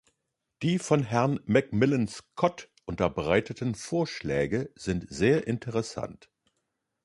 Die von Herrn McMillan-Scott unterbreiteten Vorschläge sind sehr interessant.